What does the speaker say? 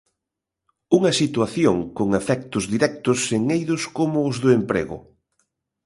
Unha situación con efectos directos en eidos como os do emprego.